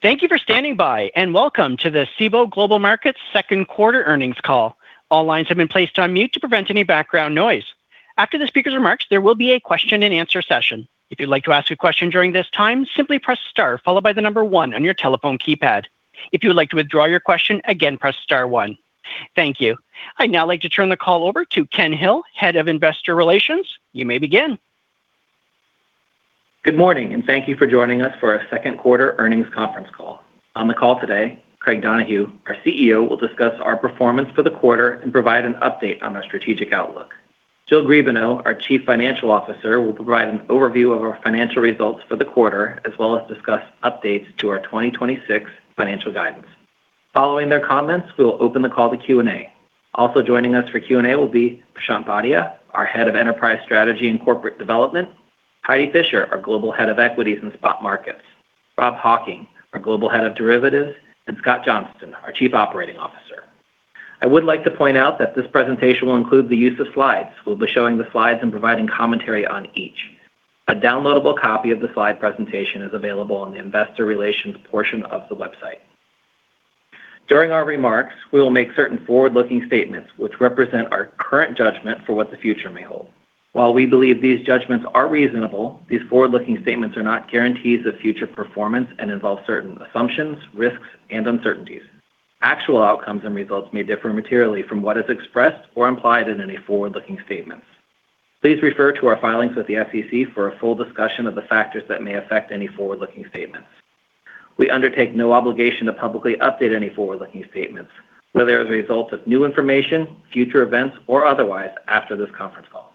Thank you for standing by, welcome to the Cboe Global Markets second quarter earnings call. All lines have been placed on mute to prevent any background noise. After the speaker's remarks, there will be a question and answer session. If you'd like to ask a question during this time, simply press star, followed by the number one on your telephone keypad. If you would like to withdraw your question, again, press star one. Thank you. I'd now like to turn the call over to Ken Hill, Head of Investor Relations. You may begin. Good morning, thank you for joining us for our second quarter earnings conference call. On the call today, Craig Donohue, our CEO, will discuss our performance for the quarter and provide an update on our strategic outlook. Jill Griebenow, our Chief Financial Officer, will provide an overview of our financial results for the quarter, as well as discuss updates to our 2026 financial guidance. Following their comments, we will open the call to Q&A. Also joining us for Q&A will be Prashant Bhatia, our Head of Enterprise Strategy and Corporate Development, Heidi Fischer, our Global Head of Equities and Spot Markets, Rob Hocking, our Global Head of Derivatives, and Scott Johnston, our Chief Operating Officer. I would like to point out that this presentation will include the use of slides. We'll be showing the slides and providing commentary on each. A downloadable copy of the slide presentation is available on the Investor Relations portion of the website. During our remarks, we will make certain forward-looking statements which represent our current judgment for what the future may hold. While we believe these judgments are reasonable, these forward-looking statements are not guarantees of future performance and involve certain assumptions, risks, and uncertainties. Actual outcomes and results may differ materially from what is expressed or implied in any forward-looking statements. Please refer to our filings with the SEC for a full discussion of the factors that may affect any forward-looking statements. We undertake no obligation to publicly update any forward-looking statements, whether as a result of new information, future events, or otherwise, after this conference call.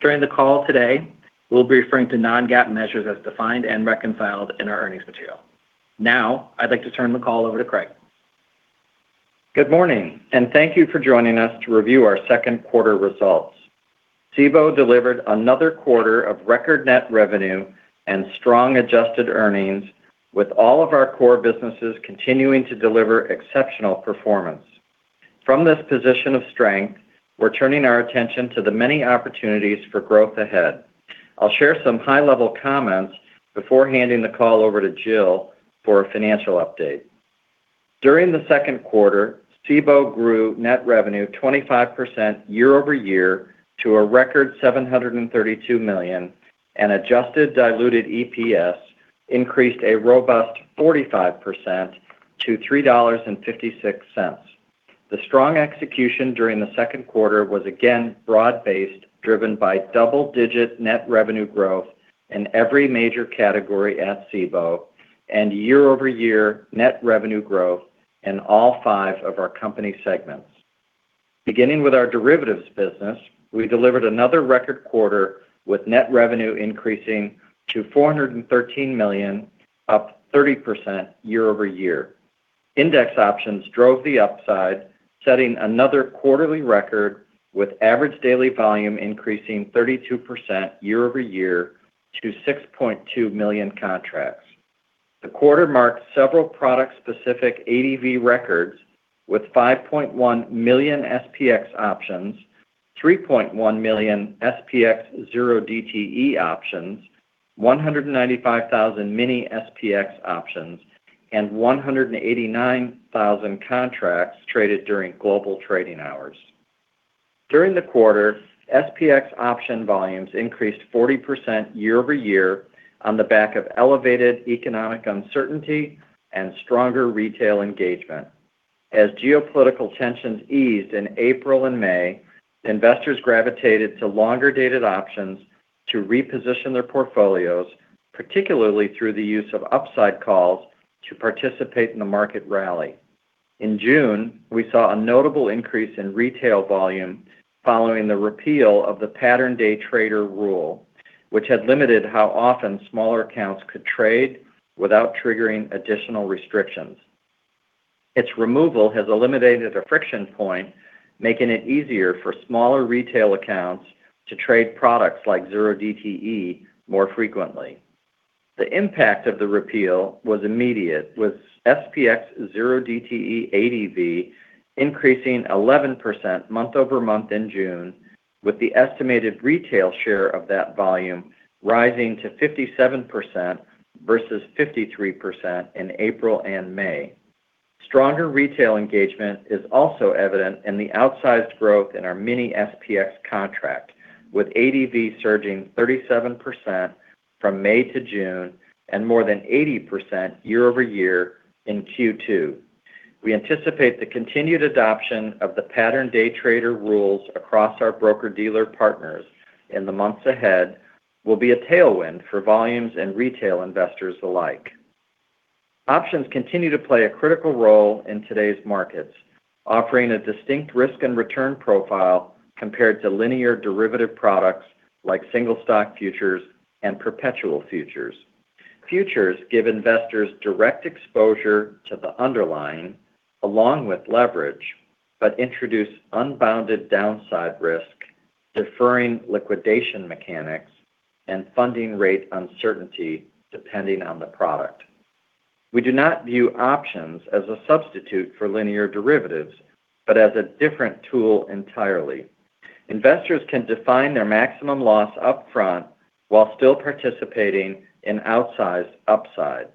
During the call today, we'll be referring to non-GAAP measures as defined and reconciled in our earnings material. Now, I'd like to turn the call over to Craig. Good morning, and thank you for joining us to review our second quarter results. Cboe delivered another quarter of record net revenue and strong adjusted earnings with all of our core businesses continuing to deliver exceptional performance. From this position of strength, we're turning our attention to the many opportunities for growth ahead. I'll share some high-level comments before handing the call over to Jill for a financial update. During the second quarter, Cboe grew net revenue 25% year-over-year to a record $732 million, and adjusted diluted EPS increased a robust 45% to $3.56. The strong execution during the second quarter was again broad-based, driven by double-digit net revenue growth in every major category at Cboe, and year-over-year net revenue growth in all five of our company segments. Beginning with our derivatives business, we delivered another record quarter with net revenue increasing to $413 million, up 30% year-over-year. Index options drove the upside, setting another quarterly record, with average daily volume increasing 32% year-over-year to 6.2 million contracts. The quarter marked several product-specific ADV records, with 5.1 million SPX options, 3.1 million SPX 0DTE options, 195,000 Mini-SPX options, and 189,000 contracts traded during Global Trading Hours. During the quarter, SPX option volumes increased 40% year-over-year on the back of elevated economic uncertainty and stronger retail engagement. As geopolitical tensions eased in April and May, investors gravitated to longer-dated options to reposition their portfolios, particularly through the use of upside calls to participate in the market rally. In June, we saw a notable increase in retail volume following the repeal of the pattern day trader rule, which had limited how often smaller accounts could trade without triggering additional restrictions. Its removal has eliminated a friction point, making it easier for smaller retail accounts to trade products like 0DTE more frequently. The impact of the repeal was immediate, with SPX 0DTE ADV increasing 11% month-over-month in June, with the estimated retail share of that volume rising to 57% versus 53% in April and May. Stronger retail engagement is also evident in the outsized growth in our Mini-SPX contract, with ADV surging 37% from May to June and more than 80% year-over-year in Q2. We anticipate the continued adoption of the pattern day trader rules across our broker-dealer partners in the months ahead will be a tailwind for volumes and retail investors alike. Options continue to play a critical role in today's markets, offering a distinct risk and return profile compared to linear derivative products like single-stock futures and perpetual futures. Futures give investors direct exposure to the underlying along with leverage, but introduce unbounded downside risk, deferring liquidation mechanics, and funding rate uncertainty depending on the product. We do not view options as a substitute for linear derivatives, but as a different tool entirely. Investors can define their maximum loss upfront while still participating in outsized upside.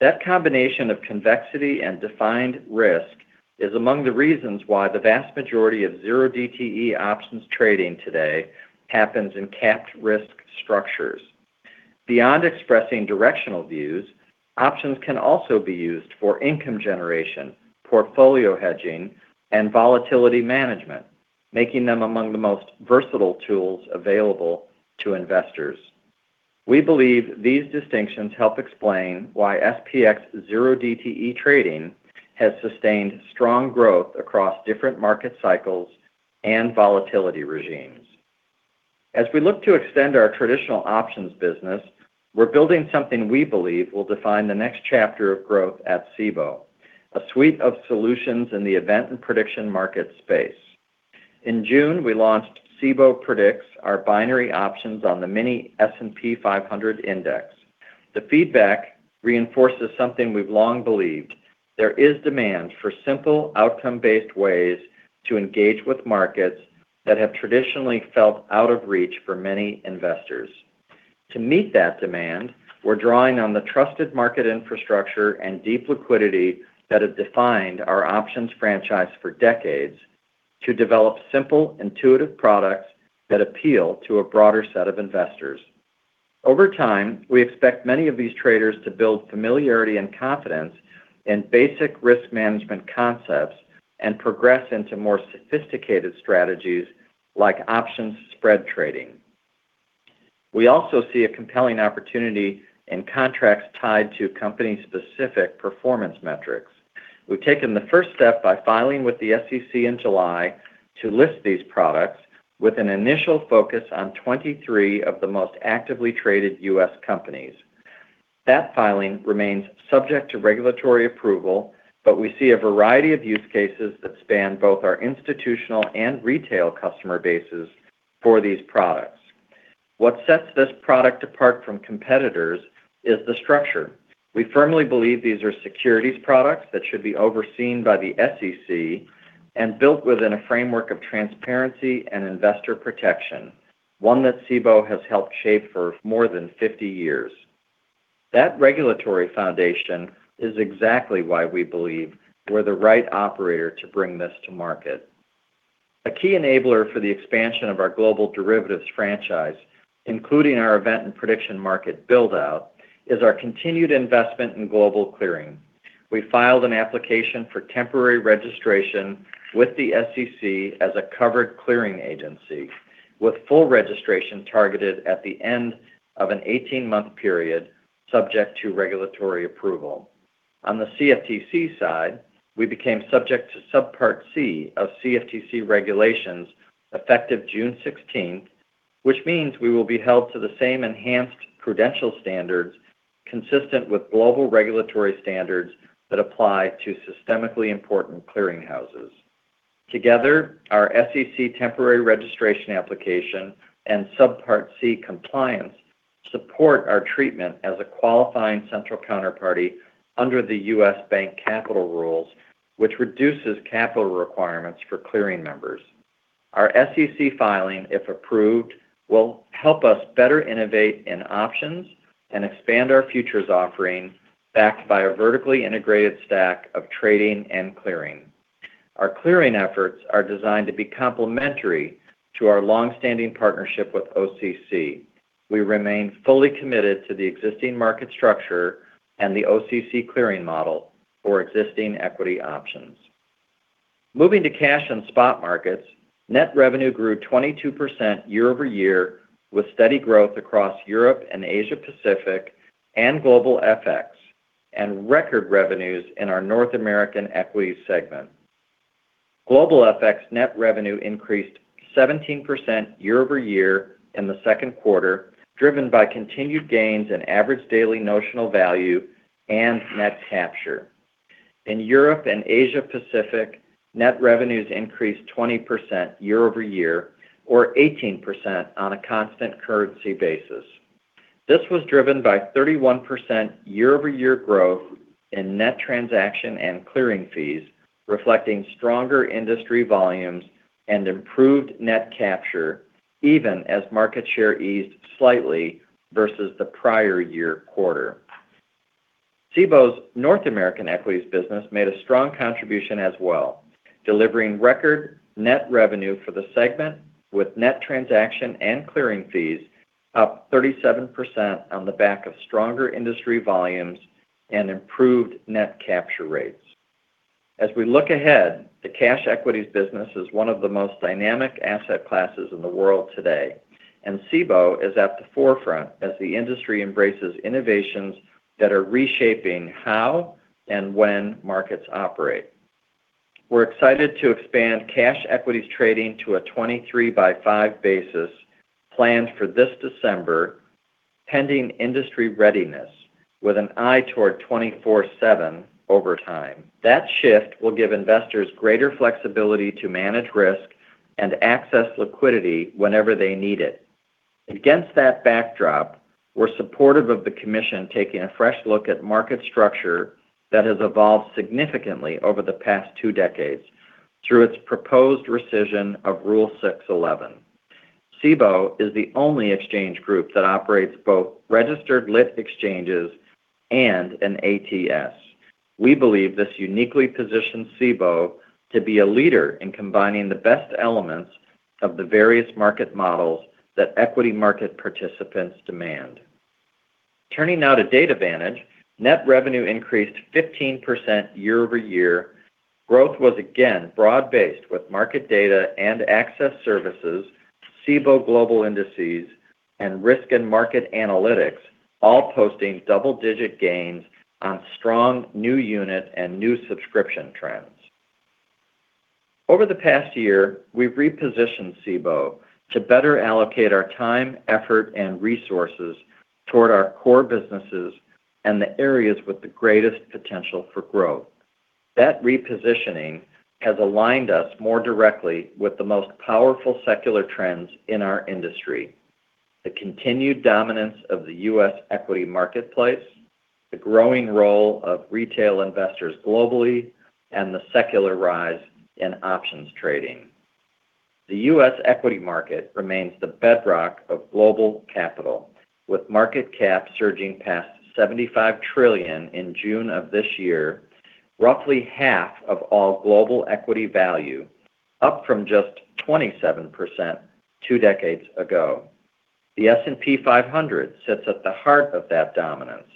That combination of convexity and defined risk is among the reasons why the vast majority of 0DTE options trading today happens in capped-risk structures. Beyond expressing directional views, options can also be used for income generation, portfolio hedging, and volatility management, making them among the most versatile tools available to investors. We believe these distinctions help explain why SPX 0DTE trading has sustained strong growth across different market cycles and volatility regimes. As we look to extend our traditional options business, we're building something we believe will define the next chapter of growth at Cboe, a suite of solutions in the event and prediction market space. In June, we launched Cboe Predicts, our binary options on the Mini-S&P 500 Index. The feedback reinforces something we've long believed, there is demand for simple outcome-based ways to engage with markets that have traditionally felt out of reach for many investors. To meet that demand, we're drawing on the trusted market infrastructure and deep liquidity that have defined our options franchise for decades to develop simple, intuitive products that appeal to a broader set of investors. Over time, we expect many of these traders to build familiarity and confidence in basic risk management concepts and progress into more sophisticated strategies like options spread trading. We also see a compelling opportunity in contracts tied to company-specific performance metrics. We've taken the first step by filing with the SEC in July to list these products with an initial focus on 23 of the most actively traded U.S. companies. That filing remains subject to regulatory approval that we see a variety of use cases that span both our institutional and retail customer bases for these products. What sets this product apart from competitors is the structure. We firmly believe these are securities products that should be overseen by the SEC and built within a framework of transparency and investor protection, one that Cboe has helped shape for more than 50 years. That regulatory foundation is exactly why we believe we're the right operator to bring this to market. A key enabler for the expansion of our global derivatives franchise, including our event and prediction market build-out, is our continued investment in global clearing. We filed an application for temporary registration with the SEC as a covered clearing agency with full registration targeted at the end of an 18-month period, subject to regulatory approval. On the CFTC side, we became subject to Subpart C of CFTC regulations effective June 16th, which means we will be held to the same enhanced credential standards consistent with global regulatory standards that apply to systemically important clearinghouses. Together, our SEC temporary registration application and Subpart C compliance support our treatment as a qualifying central counterparty under the U.S. Bank Capital rules, which reduces capital requirements for clearing members. Our SEC filing, if approved, will help us better innovate in options and expand our futures offerings backed by a vertically integrated stack of trading and clearing. Our clearing efforts are designed to be complementary to our longstanding partnership with OCC. We remain fully committed to the existing market structure and the OCC clearing model for existing equity options. Moving to cash and spot markets, net revenue grew 22% year-over-year with steady growth across Europe and Asia-Pacific and Global FX, and record revenues in our North American equities segment. Global FX net revenue increased 17% year-over-year in the second quarter, driven by continued gains in average daily notional value and net capture. In Europe and Asia-Pacific, net revenues increased 20% year-over-year or 18% on a constant currency basis. This was driven by 31% year-over-year growth in net transaction and clearing fees, reflecting stronger industry volumes and improved net capture even as market share eased slightly versus the prior year quarter. Cboe's North American equities business made a strong contribution as well, delivering record net revenue for the segment with net transaction and clearing fees up 37% on the back of stronger industry volumes and improved net capture rates. As we look ahead, the cash equities business is one of the most dynamic asset classes in the world today, and Cboe is at the forefront as the industry embraces innovations that are reshaping how and when markets operate. We're excited to expand cash equities trading to a 23 by five basis planned for this December, pending industry readiness with an eye toward 24/7 over time. That shift will give investors greater flexibility to manage risk and access liquidity whenever they need it. Against that backdrop, we're supportive of the commission taking a fresh look at market structure that has evolved significantly over the past two decades through its proposed rescission of Rule 611. Cboe is the only exchange group that operates both registered lit exchanges and an ATS. We believe this uniquely positions Cboe to be a leader in combining the best elements of the various market models that equity market participants demand. Turning now to Data Vantage, net revenue increased 15% year-over-year. Growth was again broad-based, with market data and access services, Cboe Global Indices, and risk and market analytics all posting double-digit gains on strong new unit and new subscription trends. Over the past year, we've repositioned Cboe to better allocate our time, effort, and resources toward our core businesses and the areas with the greatest potential for growth. That repositioning has aligned us more directly with the most powerful secular trends in our industry, the continued dominance of the U.S. equity marketplace, the growing role of retail investors globally, and the secular rise in options trading. The U.S. equity market remains the bedrock of global capital, with market cap surging past $75 trillion in June of this year, roughly half of all global equity value, up from just 27% two decades ago. The S&P 500 sits at the heart of that dominance.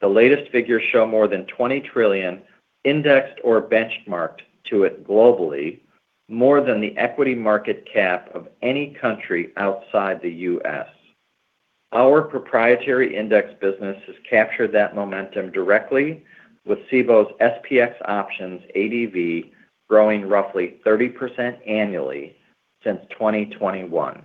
The latest figures show more than $20 trillion indexed or benchmarked to it globally, more than the equity market cap of any country outside the U.S. Our proprietary index business has captured that momentum directly with Cboe's SPX options ADV growing roughly 30% annually since 2021.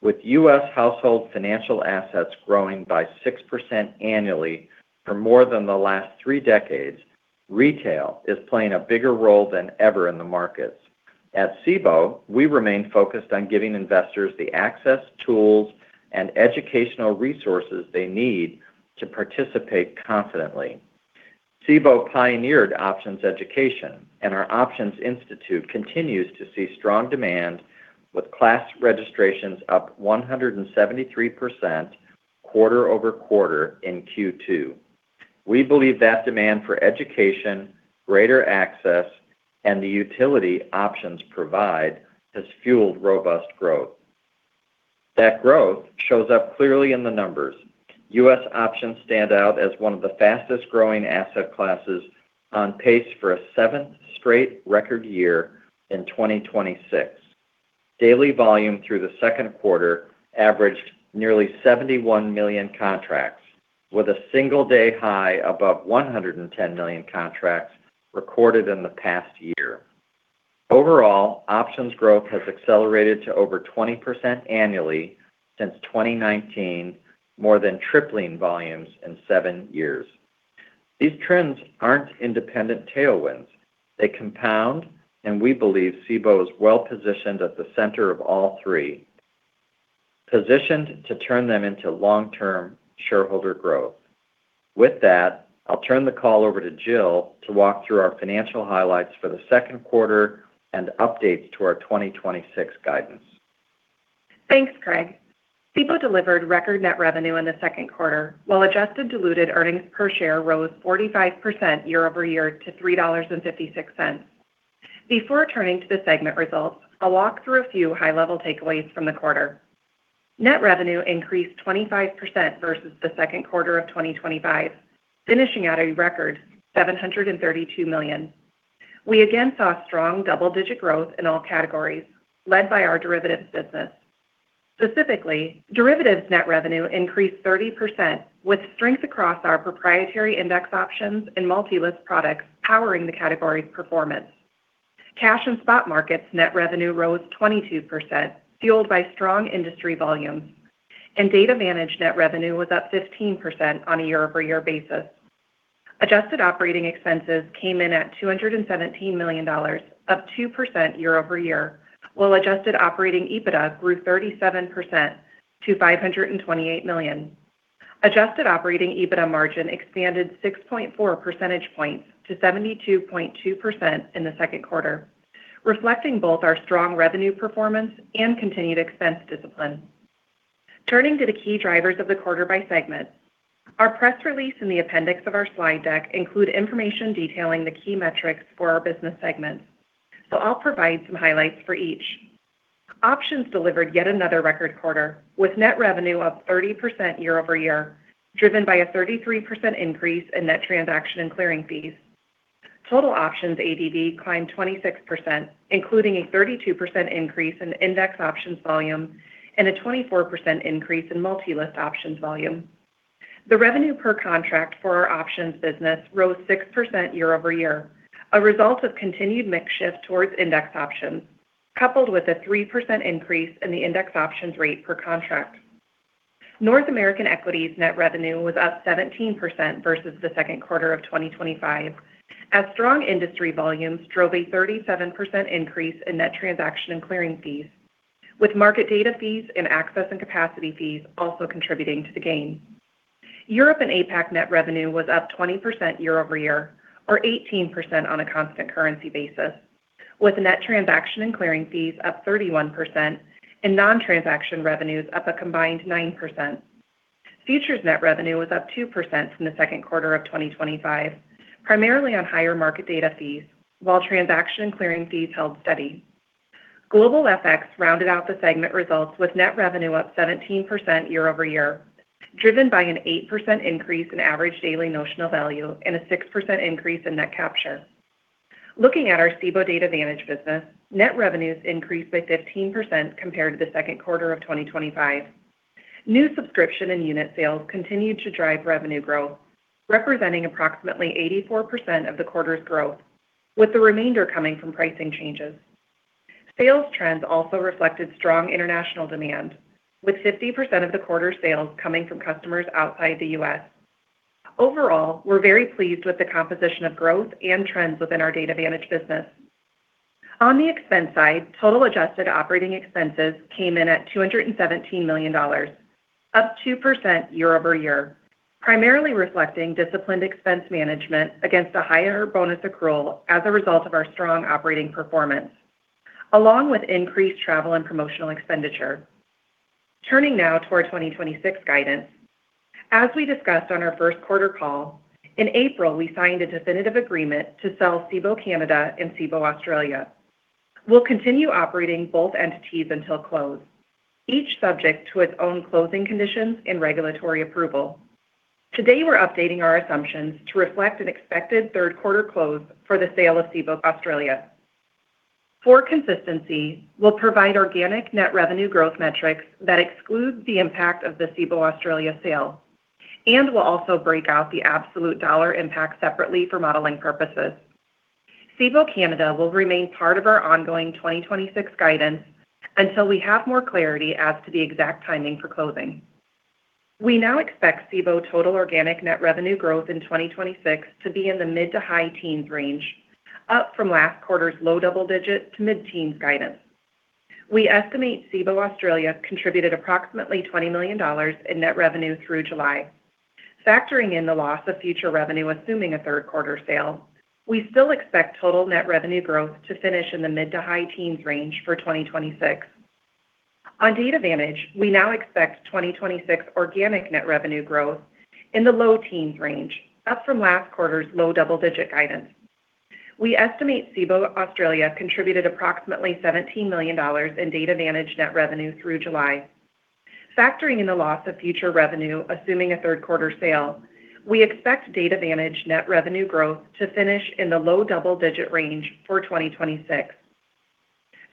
With U.S. household financial assets growing by 6% annually for more than the last three decades, retail is playing a bigger role than ever in the markets. At Cboe, we remain focused on giving investors the access, tools, and educational resources they need to participate confidently. Cboe pioneered options education, and our Options Institute continues to see strong demand with class registrations up 173% quarter-over-quarter in Q2. We believe that demand for education, greater access, and the utility options provide has fueled robust growth. That growth shows up clearly in the numbers. U.S. options stand out as one of the fastest-growing asset classes on pace for a seventh straight record year in 2026. Daily volume through the second quarter averaged nearly 71 million contracts, with a single-day high above 110 million contracts recorded in the past year. Overall, options growth has accelerated to over 20% annually since 2019, more than tripling volumes in seven years. These trends aren't independent tailwinds. They compound, and we believe Cboe is well-positioned at the center of all three, positioned to turn them into long-term shareholder growth. With that, I'll turn the call over to Jill to walk through our financial highlights for the second quarter and updates to our 2026 guidance. Thanks, Craig. Cboe delivered record net revenue in the second quarter, while adjusted diluted earnings per share rose 45% year-over-year to $3.56. Before turning to the segment results, I'll walk through a few high-level takeaways from the quarter. Net revenue increased 25% versus the second quarter of 2025, finishing at a record $732 million. We again saw strong double-digit growth in all categories led by our derivatives business. Specifically, derivatives net revenue increased 30% with strength across our proprietary index options and multi-list products powering the category's performance. Cash and spot markets net revenue rose 22%, fueled by strong industry volumes. Data Vantage net revenue was up 15% on a year-over-year basis. Adjusted operating expenses came in at $217 million, up 2% year-over-year, while adjusted operating EBITDA grew 37% to $528 million. Adjusted operating EBITDA margin expanded 6.4 percentage points to 72.2% in the second quarter, reflecting both our strong revenue performance and continued expense discipline. Turning to the key drivers of the quarter by segment. Our press release and the appendix of our slide deck include information detailing the key metrics for our business segments. I'll provide some highlights for each. Options delivered yet another record quarter, with net revenue up 30% year-over-year, driven by a 33% increase in net transaction and clearing fees. Total options ADV climbed 26%, including a 32% increase in index options volume and a 24% increase in multi-list options volume. The revenue per contract for our options business rose 6% year-over-year, a result of continued mix shift towards index options, coupled with a 3% increase in the index options rate per contract. North American Equities net revenue was up 17% versus the second quarter of 2025, as strong industry volumes drove a 37% increase in net transaction and clearing fees, with market data fees and access and capacity fees also contributing to the gain. Europe and APAC net revenue was up 20% year-over-year, or 18% on a constant currency basis, with net transaction and clearing fees up 31% and non-transaction revenues up a combined 9%. Futures net revenue was up 2% from the second quarter of 2025, primarily on higher market data fees, while transaction and clearing fees held steady. Global FX rounded out the segment results with net revenue up 17% year-over-year, driven by an 8% increase in average daily notional value and a 6% increase in net capture. Looking at our Cboe Data Vantage business, net revenues increased by 15% compared to the second quarter of 2025. New subscription and unit sales continued to drive revenue growth, representing approximately 84% of the quarter's growth, with the remainder coming from pricing changes. Sales trends also reflected strong international demand, with 50% of the quarter's sales coming from customers outside the U.S. Overall, we're very pleased with the composition of growth and trends within our Data Vantage business. On the expense side, total adjusted operating expenses came in at $217 million, up 2% year-over-year, primarily reflecting disciplined expense management against a higher bonus accrual as a result of our strong operating performance, along with increased travel and promotional expenditure. Turning now to our 2026 guidance. As we discussed on our first quarter call, in April, we signed a definitive agreement to sell Cboe Canada and Cboe Australia. We'll continue operating both entities until close, each subject to its own closing conditions and regulatory approval. Today, we're updating our assumptions to reflect an expected third quarter close for the sale of Cboe Australia. For consistency, we'll provide organic net revenue growth metrics that exclude the impact of the Cboe Australia sale, and we'll also break out the absolute dollar impact separately for modeling purposes. Cboe Canada will remain part of our ongoing 2026 guidance until we have more clarity as to the exact timing for closing. We now expect Cboe total organic net revenue growth in 2026 to be in the mid-to-high teens range, up from last quarter's low double-digit to mid-teens guidance. We estimate Cboe Australia contributed approximately $20 million in net revenue through July. Factoring in the loss of future revenue, assuming a third-quarter sale, we still expect total net revenue growth to finish in the mid-to-high teens range for 2026. On Data Vantage, we now expect 2026 organic net revenue growth in the low teens range, up from last quarter's low double-digit guidance. We estimate Cboe Australia contributed approximately $17 million in Data Vantage net revenue through July. Factoring in the loss of future revenue, assuming a third quarter sale, we expect Data Vantage net revenue growth to finish in the low double-digit range for 2026.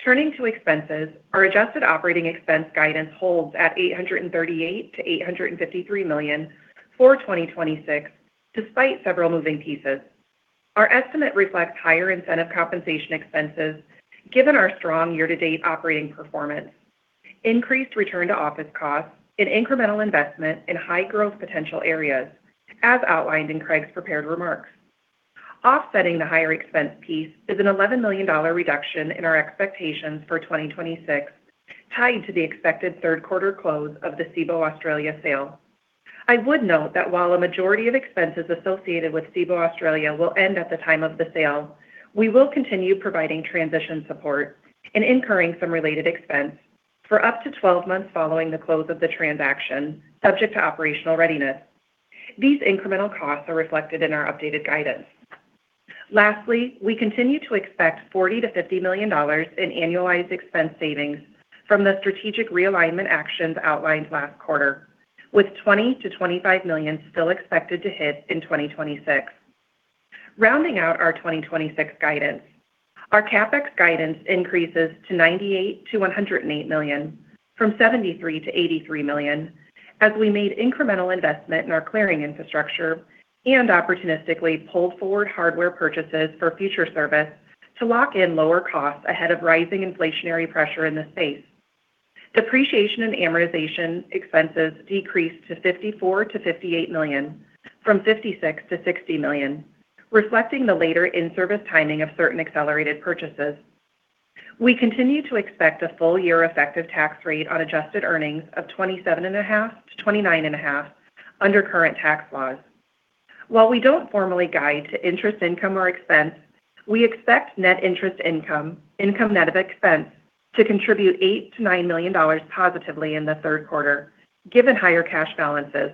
Turning to expenses, our adjusted operating expense guidance holds at $838 million-$853 million for 2026, despite several moving pieces. Our estimate reflects higher incentive compensation expenses, given our strong year-to-date operating performance, increased return-to-office costs, and incremental investment in high-growth potential areas, as outlined in Craig's prepared remarks. Offsetting the higher expense piece is an $11 million reduction in our expectations for 2026, tied to the expected third quarter close of the Cboe Australia sale. I would note that while a majority of expenses associated with Cboe Australia will end at the time of the sale, we will continue providing transition support and incurring some related expense for up to 12 months following the close of the transaction, subject to operational readiness. These incremental costs are reflected in our updated guidance. Lastly, we continue to expect $40 million-$50 million in annualized expense savings from the strategic realignment actions outlined last quarter, with $20 million-$25 million still expected to hit in 2026. Rounding out our 2026 guidance, our CapEx guidance increases to $98 million-$108 million, from $73 million-$83 million, as we made incremental investment in our clearing infrastructure and opportunistically pulled forward hardware purchases for future service to lock in lower costs ahead of rising inflationary pressure in the space. Depreciation and amortization expenses decreased to $54 million-$58 million, from $56 million-$60 million, reflecting the later in-service timing of certain accelerated purchases. We continue to expect a full-year effective tax rate on adjusted earnings of 27.5%-29.5% under current tax laws. While we don't formally guide to interest income or expense, we expect Net Interest Income net of expense, to contribute $8 million-$9 million positively in the third quarter, given higher cash balances.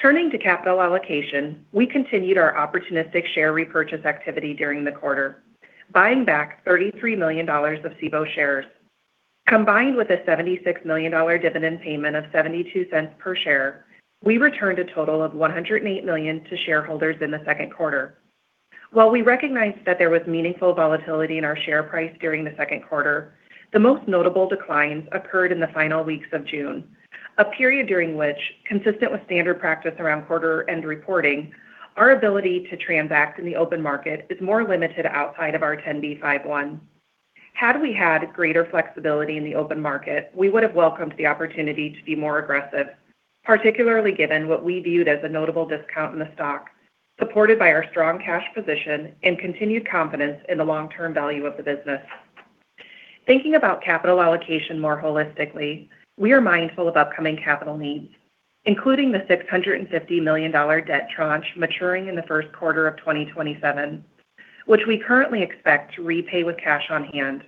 Turning to capital allocation, we continued our opportunistic share repurchase activity during the quarter, buying back $33 million of Cboe shares. Combined with a $76 million dividend payment of $0.72 per share, we returned a total of $108 million to shareholders in the second quarter. While we recognized that there was meaningful volatility in our share price during the second quarter, the most notable declines occurred in the final weeks of June, a period during which, consistent with standard practice around quarter-end reporting, our ability to transact in the open market is more limited outside of our 10b5-1. Had we had greater flexibility in the open market, we would have welcomed the opportunity to be more aggressive, particularly given what we viewed as a notable discount in the stock, supported by our strong cash position and continued confidence in the long-term value of the business. Thinking about capital allocation more holistically, we are mindful of upcoming capital needs, including the $650 million debt tranche maturing in the first quarter of 2027, which we currently expect to repay with cash on hand.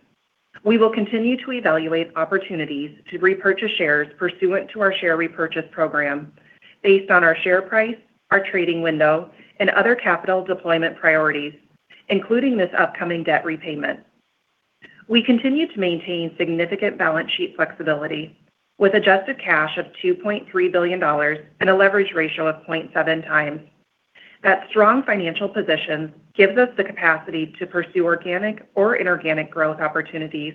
We will continue to evaluate opportunities to repurchase shares pursuant to our share repurchase program based on our share price, our trading window, and other capital deployment priorities, including this upcoming debt repayment. We continue to maintain significant balance sheet flexibility with adjusted cash of $2.3 billion and a leverage ratio of 0.7x. That strong financial position gives us the capacity to pursue organic or inorganic growth opportunities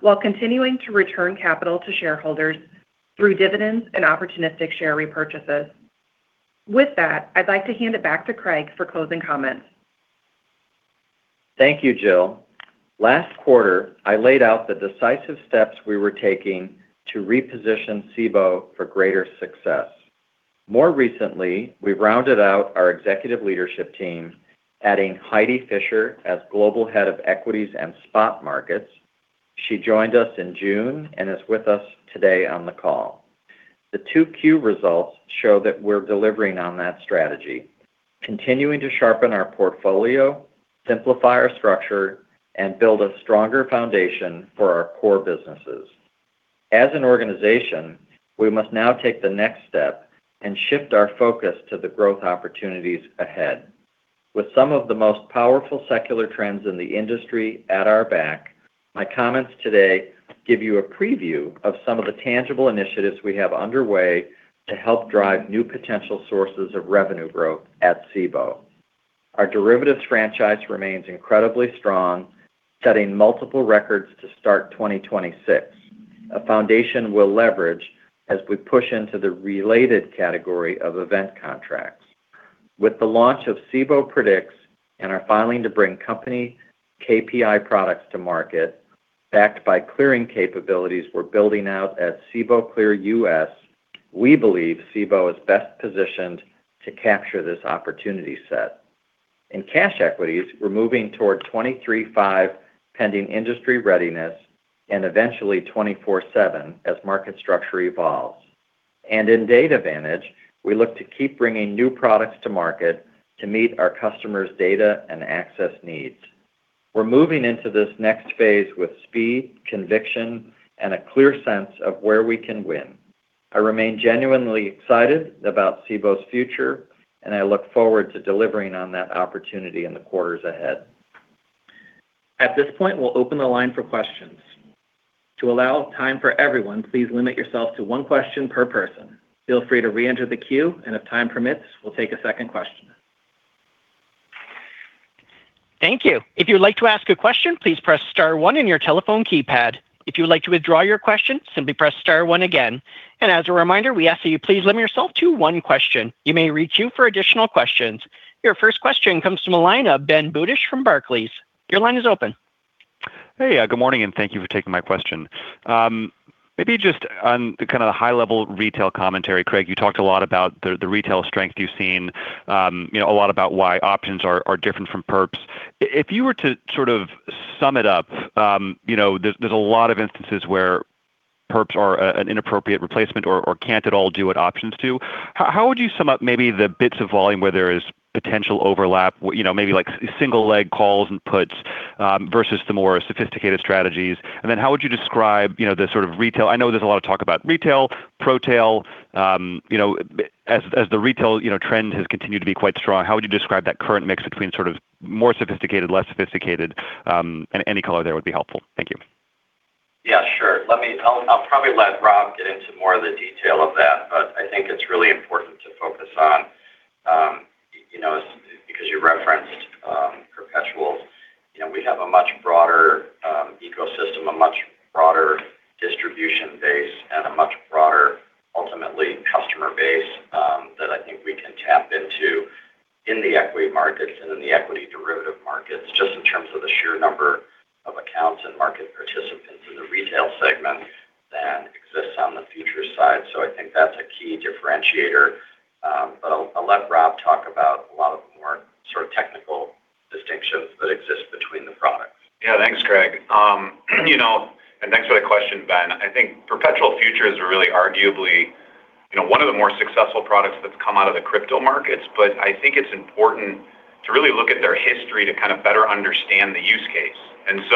while continuing to return capital to shareholders through dividends and opportunistic share repurchases. With that, I'd like to hand it back to Craig for closing comments. Thank you, Jill. Last quarter, I laid out the decisive steps we were taking to reposition Cboe for greater success. More recently, we rounded out our executive leadership team, adding Heidi Fischer as Global Head of Equities and Spot Markets. She joined us in June and is with us today on the call. The 2Q results show that we're delivering on that strategy, continuing to sharpen our portfolio, simplify our structure, and build a stronger foundation for our core businesses. As an organization, we must now take the next step and shift our focus to the growth opportunities ahead. With some of the most powerful secular trends in the industry at our back, my comments today give you a preview of some of the tangible initiatives we have underway to help drive new potential sources of revenue growth at Cboe. Our derivatives franchise remains incredibly strong, setting multiple records to start 2026, a foundation we'll leverage as we push into the related category of event contracts. With the launch of Cboe Predicts and our filing to bring company KPI products to market, backed by clearing capabilities we're building out at Cboe Clear U.S., we believe Cboe is best positioned to capture this opportunity set. In cash equities, we're moving toward 23x5, pending industry readiness, and eventually 24x7 as market structure evolves. In Data Vantage, we look to keep bringing new products to market to meet our customers' data and access needs. We're moving into this next phase with speed, conviction, and a clear sense of where we can win. I remain genuinely excited about Cboe's future, and I look forward to delivering on that opportunity in the quarters ahead. At this point, we'll open the line for questions. To allow time for everyone, please limit yourself to one question per person. Feel free to reenter the queue, and if time permits, we'll take a second question. Thank you. If you'd like to ask a question, please press star one on your telephone keypad. If you would like to withdraw your question, simply press star one again. As a reminder, we ask that you please limit yourself to one question. You may re-queue for additional questions. Your first question comes from a line of Ben Budish from Barclays. Your line is open. Hey. Good morning, and thank you for taking my question. Maybe just on the high-level retail commentary, Craig, you talked a lot about the retail strength you've seen, a lot about why options are different from perps. If you were to sum it up, there's a lot of instances where perps are an inappropriate replacement or can't at all do what options do. How would you sum up maybe the bits of volume where there is potential overlap, maybe like single-leg calls and puts versus the more sophisticated strategies? Then how would you describe the retail-- I know there's a lot of talk about retail, pro-tail. As the retail trend has continued to be quite strong, how would you describe that current mix between more sophisticated, less sophisticated, and any color there would be helpful. Thank you. Yeah, sure. I'll probably let Rob get into more of the detail of that, but I think it's really important to focus on, because you referenced perpetuals, we have a much broader ecosystem, a much broader distribution base, and a much broader, ultimately, customer base that I think we can tap into in the equity markets and in the equity derivative markets, just in terms of the sheer number of accounts and market participants in the retail segment than exists on the futures side. I think that's a key differentiator. I'll let Rob talk about a lot of the more technical distinctions that exist between the products. Yeah, thanks, Craig. Thanks for the question, Ben. I think perpetual futures are really arguably one of the more successful products that's come out of the crypto markets, but I think it's important to really look at their history to better understand the use case.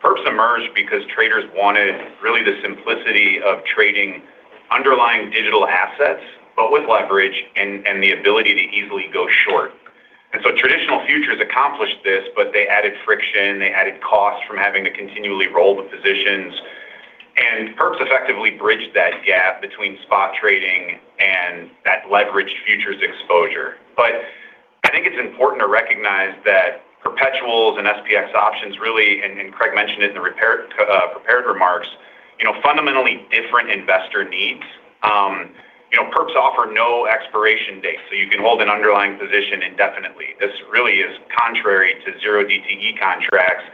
Perps emerged because traders wanted really the simplicity of trading underlying digital assets, but with leverage and the ability to easily go short. Traditional futures accomplished this, but they added friction, they added cost from having to continually roll the positions. Perps effectively bridged that gap between spot trading and that leveraged futures exposure. I think it's important to recognize that perpetuals and SPX options really, and Craig mentioned it in the prepared remarks, fundamentally different investor needs. Perps offer no expiration date, so you can hold an underlying position indefinitely. This really is contrary to 0DTE contracts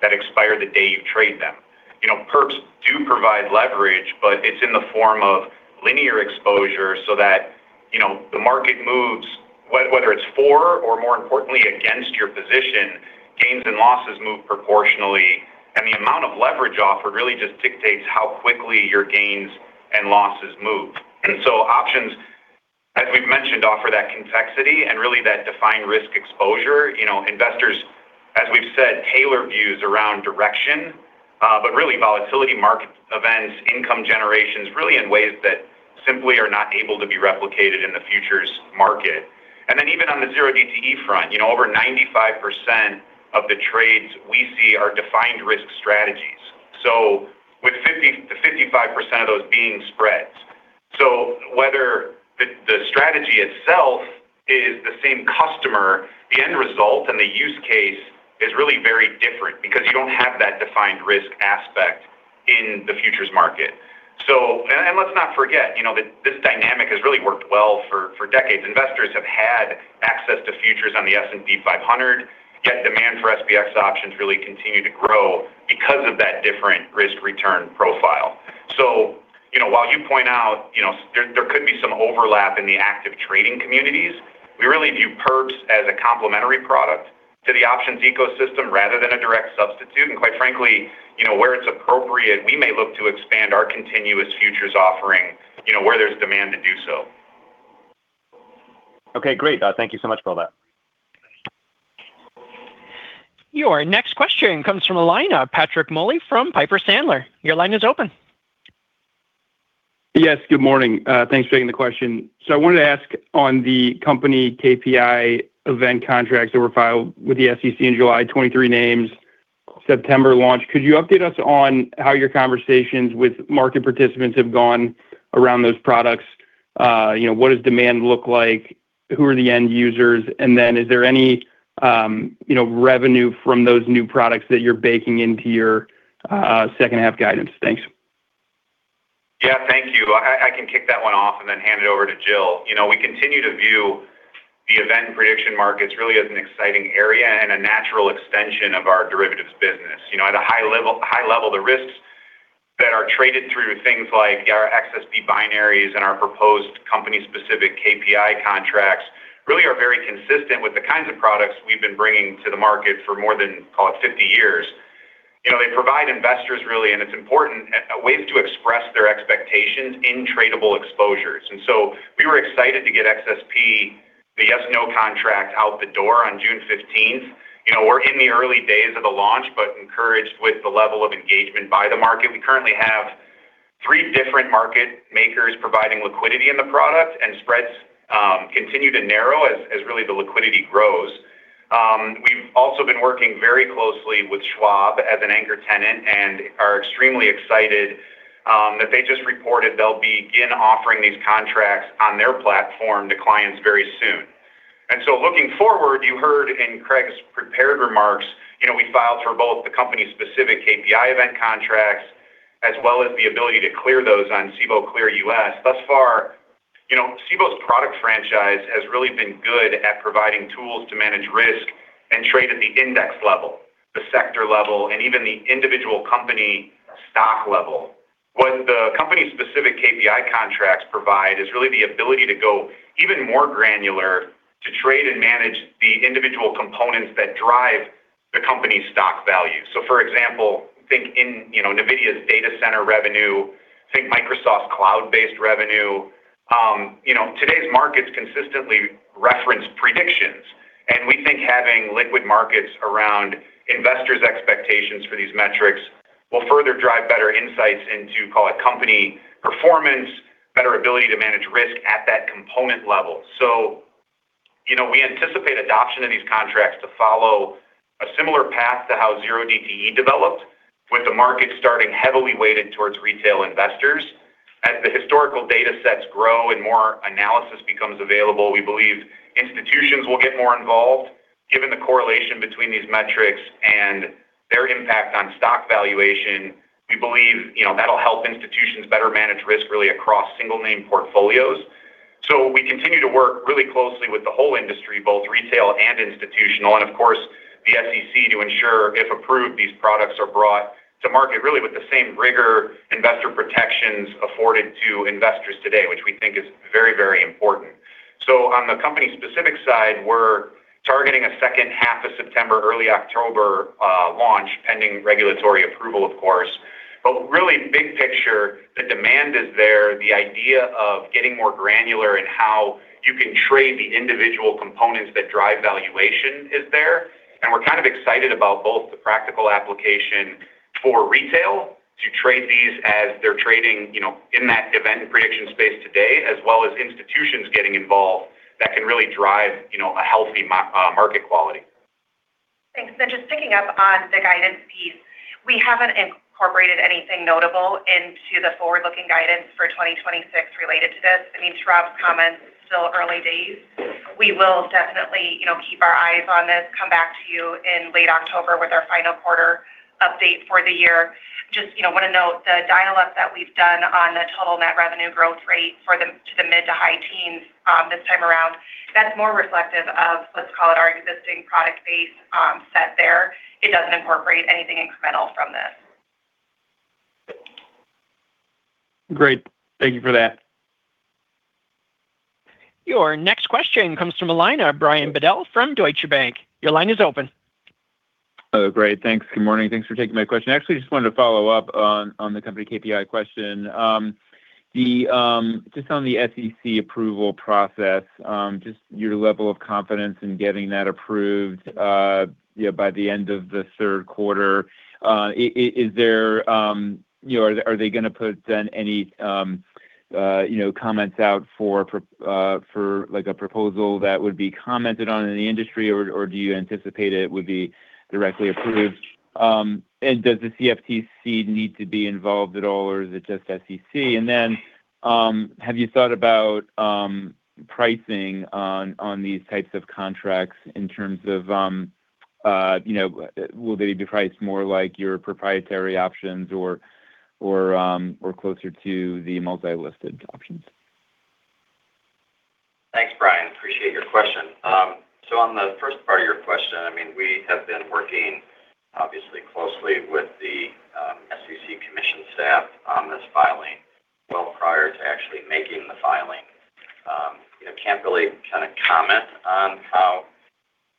that expire the day you trade them. Perps do provide leverage, but it's in the form of linear exposure so that the market moves, whether it's for or more importantly against your position, gains and losses move proportionally, and the amount of leverage offered really just dictates how quickly your gains and losses move. Options, as we've mentioned, offer that convexity and really that defined risk exposure. Investors, as we've said, tailor views around direction, but really volatility market events, income generations, really in ways that simply are not able to be replicated in the futures market. Even on the 0DTE front, over 95% of the trades we see are defined risk strategies. With 50%-55% of those being spreads. Whether the strategy itself is the same customer, the end result and the use case is really very different because you don't have that defined risk aspect in the futures market. Let's not forget, this dynamic has really worked well for decades. Investors have had access to futures on the S&P 500, yet demand for SPX options really continue to grow because of that different risk-return profile. While you point out there could be some overlap in the active trading communities, we really view perps as a complementary product to the options ecosystem rather than a direct substitute. Quite frankly, where it's appropriate, we may look to expand our continuous futures offering, where there's demand to do so. Okay, great. Thank you so much for all that. Your next question comes from the line of Patrick Moley from Piper Sandler. Your line is open. Yes. Good morning. Thanks for taking the question. I wanted to ask on the company KPI event contracts that were filed with the SEC in July, 23 names, September launch. Could you update us on how your conversations with market participants have gone around those products? What does demand look like? Who are the end users? And then is there any revenue from those new products that you're baking into your second half guidance? Thanks. Yeah, thank you. I can kick that one off and then hand it over to Jill. We continue to view the event prediction markets really as an exciting area and a natural extension of our derivatives business. At a high level, the risks that are traded through things like our XSP binaries and our proposed company-specific KPI contracts really are very consistent with the kinds of products we've been bringing to the market for more than, call it 50 years. They provide investors really, and it's important, ways to express their expectations in tradable exposures. We were excited to get XSP, the yes/no contract, out the door on June 15th. We're in the early days of the launch, but encouraged with the level of engagement by the market. We currently have three different market makers providing liquidity in the product and spreads continue to narrow as really the liquidity grows. We've also been working very closely with Schwab as an anchor tenant and are extremely excited that they just reported they'll begin offering these contracts on their platform to clients very soon. Looking forward, you heard in Craig's prepared remarks, we filed for both the company-specific KPI event contracts as well as the ability to clear those on Cboe Clear U.S. Thus far, Cboe's product franchise has really been good at providing tools to manage risk and trade at the index level, the sector level, and even the individual company stock level. When the company-specific KPI contracts provide is really the ability to go even more granular to trade and manage the individual components that drive the company's stock value. For example, think in NVIDIA's data center revenue, think Microsoft's cloud-based revenue. Today's markets consistently reference predictions, and we think having liquid markets around investors' expectations for these metrics will further drive better insights into, call it, company performance, better ability to manage risk at that component level. We anticipate adoption of these contracts to follow a similar path to how 0DTE developed, with the market starting heavily weighted towards retail investors. As the historical data sets grow and more analysis becomes available, we believe institutions will get more involved. Given the correlation between these metrics and their impact on stock valuation, we believe that'll help institutions better manage risk really across single name portfolios. We continue to work really closely with the whole industry, both retail and institutional, and of course the SEC, to ensure, if approved, these products are brought to market really with the same rigor investor protections afforded to investors today, which we think is very important. On the company-specific side, we're targeting a second half of September, early October launch, pending regulatory approval, of course. Really big picture, the demand is there. The idea of getting more granular in how you can trade the individual components that drive valuation is there, and we're kind of excited about both the practical application for retail to trade these as they're trading in that event prediction space today as well as institutions getting involved that can really drive a healthy market quality. Thanks. Just picking up on the guidance piece, we haven't incorporated anything notable into the forward-looking guidance for 2026 related to this. I mean, to Rob's comments, still early days. We will definitely keep our eyes on this, come back to you in late October with our final quarter update for the year. Just want to note the dial-up that we've done on the total net revenue growth rate for the high teens this time around. That is more reflective of, let's call it, our existing product base set there. It doesn't incorporate anything incremental from this. Great. Thank you for that. Your next question comes from a line of Brian Bedell from Deutsche Bank. Your line is open. Great. Thanks. Good morning. Thanks for taking my question. Actually, just wanted to follow up on the company KPI question. Just on the SEC approval process, just your level of confidence in getting that approved by the end of the third quarter. Are they going to put then any comments out for a proposal that would be commented on in the industry, or do you anticipate it would be directly approved? Does the CFTC need to be involved at all, or is it just SEC? Have you thought about pricing on these types of contracts in terms of, will they be priced more like your proprietary options or closer to the multi-listed options? Thanks, Brian. Appreciate your question. On the first part of your question, we have been working obviously closely with the SEC commission staff on this filing well prior to actually making the filing. Can't really comment on how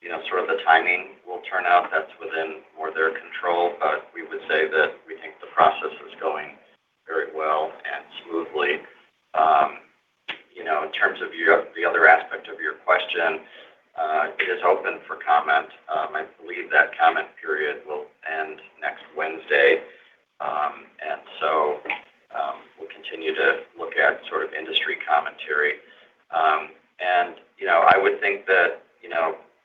the timing will turn out. That's within more their control. We would say that we think the process is going very well and smoothly. In terms of the other aspect of your question, it is open for comment. I believe that comment period will end next Wednesday. We'll continue to look at industry commentary. I would think that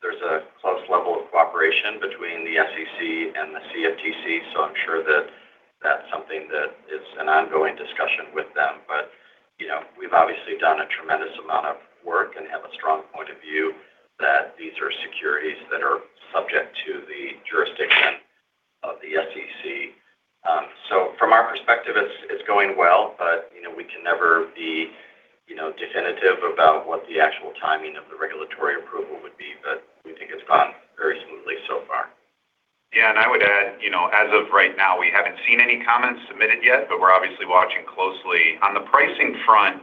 there's a close level of cooperation between the SEC and the CFTC, so I'm sure that that's something that is an ongoing discussion with them. We've obviously done a tremendous amount of work and have a strong point of view that these are securities that are subject to the jurisdiction of the SEC. From our perspective, it's going well, but we can never be definitive about what the actual timing of the regulatory approval would be. We think it's gone very smoothly so far. Yeah, I would add, as of right now, we haven't seen any comments submitted yet, but we're obviously watching closely. On the pricing front,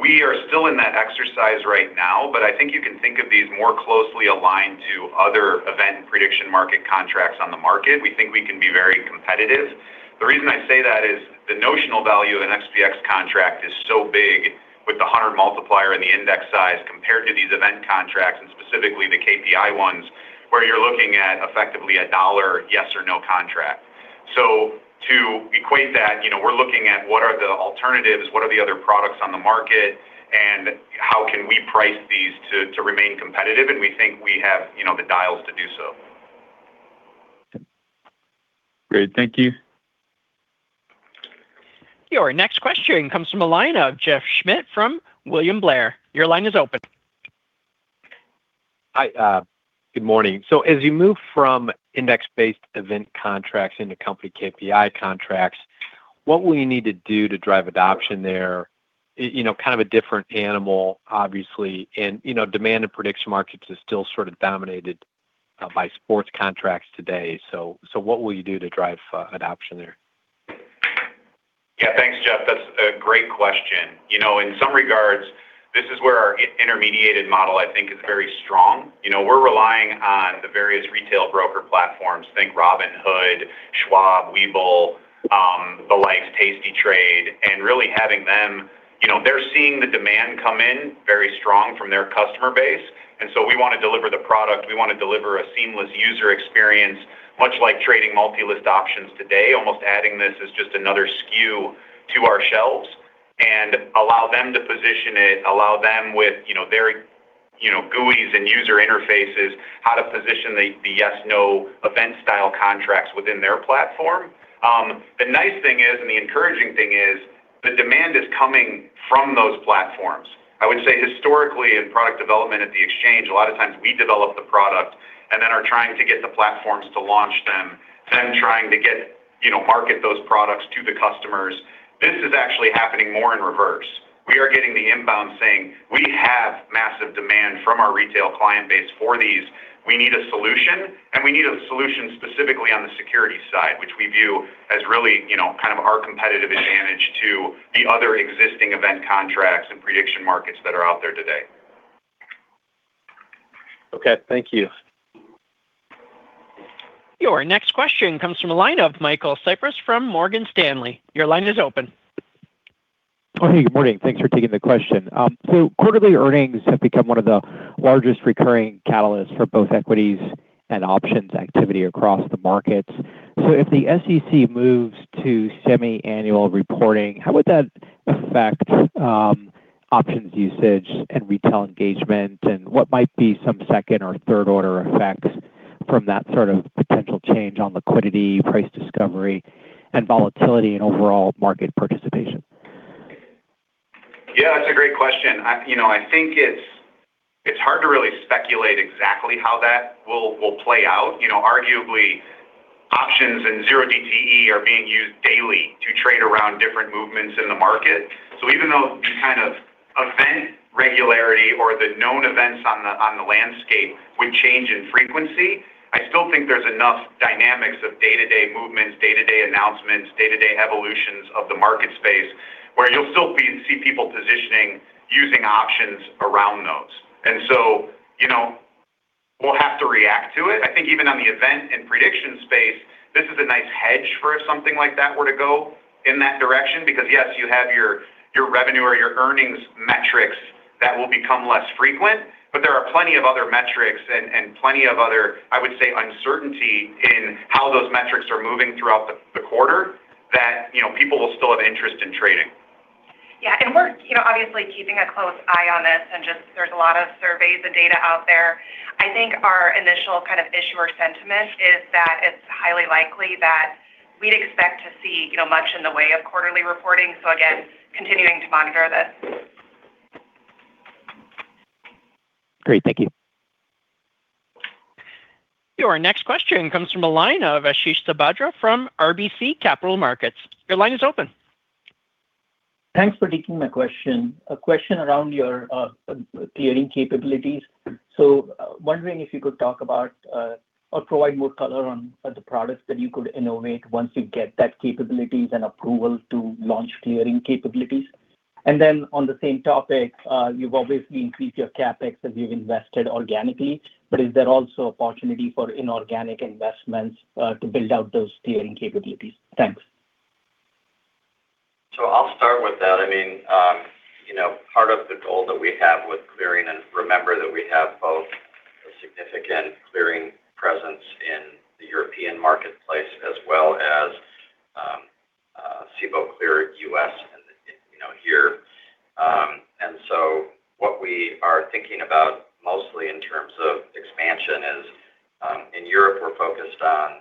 we are still in that exercise right now, but I think you can think of these more closely aligned to other event prediction market contracts on the market. We think we can be very competitive. The reason I say that is the notional value of an SPX contract is so big with the 100 multiplier and the index size compared to these event contracts, and specifically the KPI ones, where you're looking at effectively a $1 yes or no contract. To equate that, we're looking at what are the alternatives, what are the other products on the market, and how can we price these to remain competitive? We think we have the dials to do so. Great. Thank you. Your next question comes from a line of Jeff Schmitt from William Blair. Your line is open. Hi, good morning. As you move from index-based event contracts into company KPI contracts, what will you need to do to drive adoption there? Kind of a different animal, obviously, and demand in prediction markets is still sort of dominated by sports contracts today. What will you do to drive adoption there? Yeah, thanks, Jeff. That's a great question. In some regards, this is where our intermediated model, I think, is very strong. We're relying on the various retail broker platforms, think Robinhood, Schwab, Webull, the likes, tastytrade, really having them. They're seeing the demand come in very strong from their customer base, we want to deliver the product. We want to deliver a seamless user experience, much like trading multi-list options today, almost adding this as just another SKU to our shelves, allow them to position it, allow them with their GUIs and user interfaces, how to position the yes/no event style contracts within their platform. The nice thing is, the encouraging thing is, the demand is coming from those platforms. I would say historically in product development at the exchange, a lot of times we develop the product are trying to get the platforms to launch them, trying to market those products to the customers. This is actually happening more in reverse. We are getting the inbound saying, "We have massive demand from our retail client base for these. We need a solution, we need a solution specifically on the security side," which we view as really kind of our competitive advantage to the other existing event contracts and prediction markets that are out there today. Okay. Thank you. Your next question comes from a line of Michael Cyprys from Morgan Stanley. Your line is open. Hey, good morning. Thanks for taking the question. Quarterly earnings have become one of the largest recurring catalysts for both equities and options activity across the markets. If the SEC moves to semi-annual reporting, how would that affect options usage and retail engagement? What might be some second or third order effects from that sort of potential change on liquidity, price discovery, and volatility in overall market participation? Yeah, that's a great question. I think it's. It's hard to really speculate exactly how that will play out. Arguably, options and 0DTE are being used daily to trade around different movements in the market. Even though the kind of event regularity or the known events on the landscape would change in frequency, I still think there's enough dynamics of day-to-day movements, day-to-day announcements, day-to-day evolutions of the market space where you'll still see people positioning using options around those. We'll have to react to it. I think even on the event and prediction space, this is a nice hedge for if something like that were to go in that direction, because, yes, you have your revenue or your earnings metrics that will become less frequent, but there are plenty of other metrics and plenty of other, I would say, uncertainty in how those metrics are moving throughout the quarter that people will still have interest in trading. Yeah. We're obviously keeping a close eye on this and there's a lot of surveys and data out there. I think our initial kind of issuer sentiment is that it's highly likely that we'd expect to see much in the way of quarterly reporting. Again, continuing to monitor this. Great. Thank you. Your next question comes from the line of Ashish Sabadra from RBC Capital Markets. Your line is open. Thanks for taking my question. A question around your clearing capabilities. Wondering if you could talk about, or provide more color on the products that you could innovate once you get that capabilities and approval to launch clearing capabilities. On the same topic, you've obviously increased your CapEx as you've invested organically, but is there also opportunity for inorganic investments, to build out those clearing capabilities? Thanks. I'll start with that. Part of the goal that we have with clearing, and remember that we have both a significant clearing presence in the European marketplace as well as Cboe Clear U.S. here. What we are thinking about mostly in terms of expansion is, in Europe, we're focused on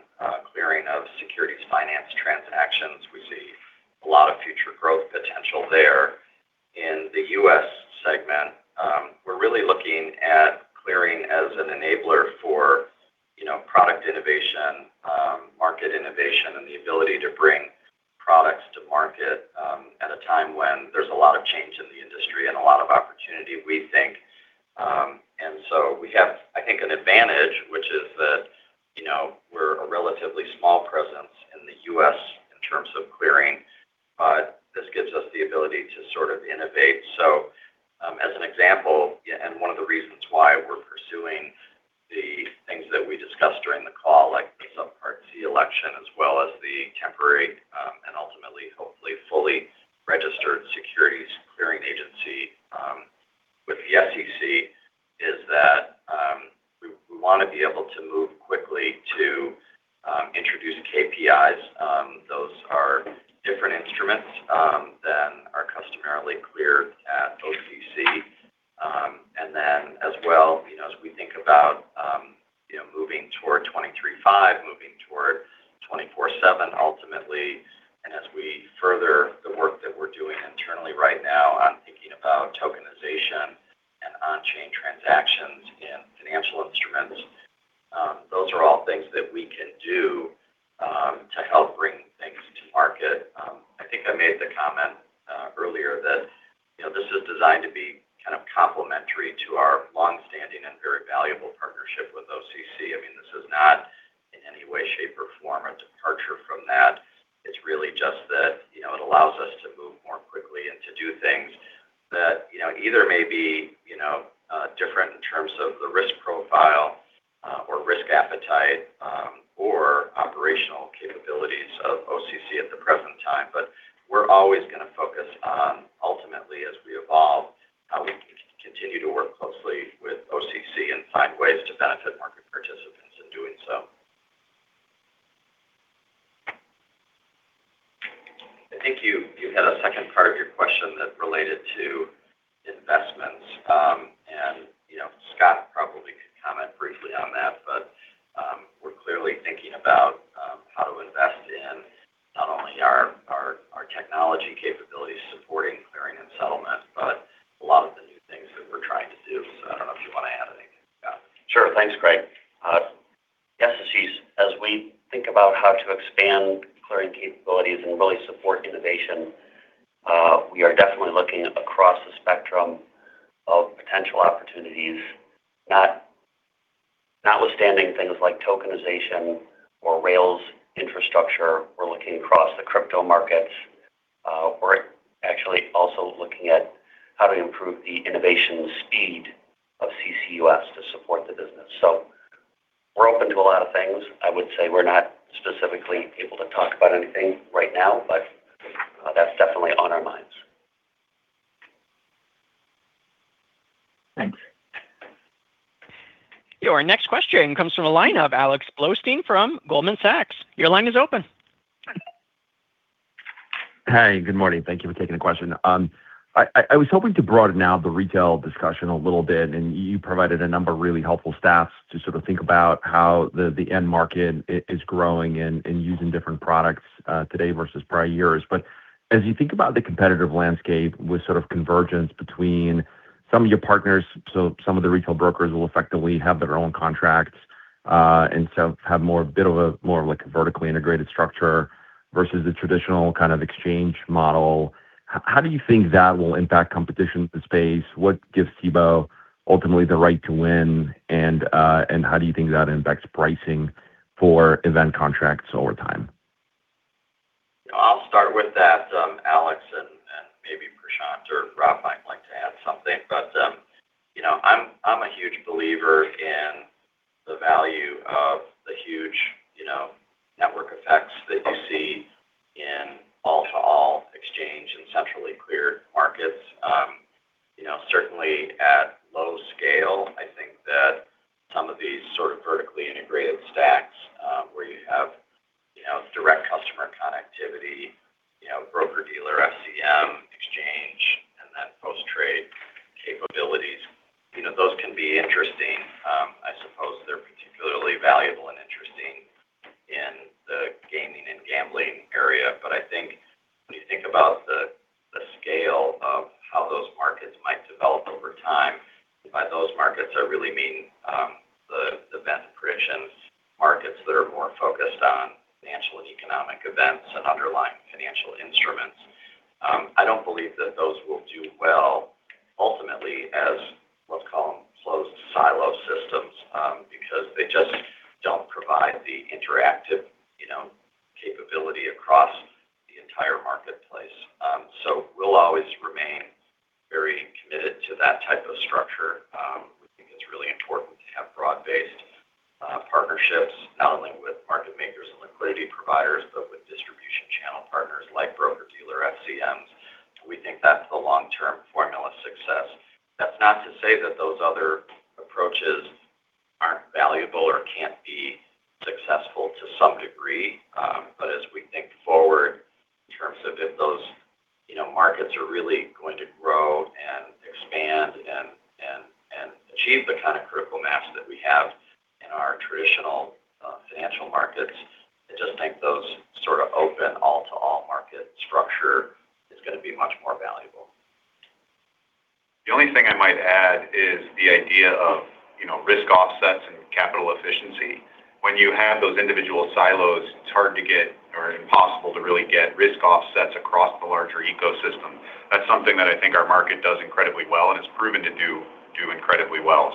some of your partners, so some of the retail brokers will effectively have their own contracts, and so have more of a bit of a more like vertically integrated structure versus the traditional kind of exchange model. How do you think that will impact competition in the space? What gives Cboe ultimately the right to win, and how do you think that impacts pricing for event contracts over time? I'll start with that, Alex, and maybe Prashant or Rob might like to add something. I'm a huge believer in the value of the huge network effects that you see in all-to-all exchange and centrally cleared markets. Certainly, at low scale, I think that some of these sort of vertically integrated stacks, where you have direct customer connectivity, broker-dealer FCM exchange, and then post-trade capabilities, those can be interesting. I suppose they're particularly valuable and interesting in the gaming and gambling area. I think when you think about the scale of how those markets might develop over time, by those markets, I really mean the event predictions markets that are more focused on financial and economic events and underlying financial instruments. I don't believe that those will do well ultimately as let's call them closed silo systems, because they just don't provide the interactive capability across the entire marketplace. We'll always remain very committed to that type of structure. We think it's really important to have broad-based partnerships, not only with market makers and liquidity providers, but with distribution channel partners like broker-dealer FCMs. We think that's the long-term formula success. That's not to say that those other approaches aren't valuable or can't be successful to some degree. As we think forward in terms of if those markets are really going to grow and expand and achieve the kind of critical mass that we have in our traditional financial markets, I just think those sort of open all-to-all market structure is going to be much more valuable. The only thing I might add is the idea of risk offsets and capital efficiency. When you have those individual silos, it's hard to get or impossible to really get risk offsets across the larger ecosystem. That's something that I think our market does incredibly well, and it's proven to do incredibly well.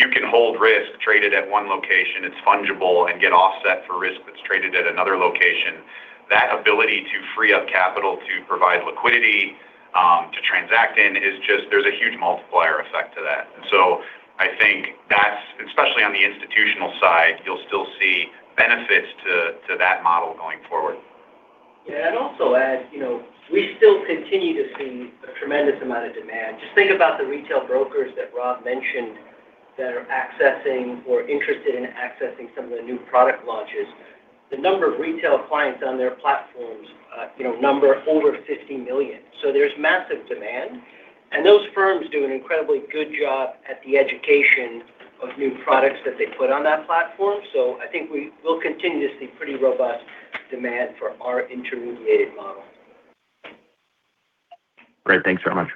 You can hold risk traded at one location, it's fungible, and get offset for risk that's traded at another location. That ability to free up capital to provide liquidity, to transact in, there's a huge multiplier effect to that. I think that's, especially on the institutional side, you'll still see benefits to that model going forward. I'd also add, we still continue to see a tremendous amount of demand. Just think about the retail brokers that Rob mentioned that are accessing or interested in accessing some of the new product launches. The number of retail clients on their platforms number over 50 million. There's massive demand, and those firms do an incredibly good job at the education of new products that they put on that platform. I think we will continue to see pretty robust demand for our intermediated model. Great. Thanks very much.